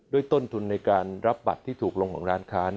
ต้นทุนในการรับบัตรที่ถูกลงของร้านค้า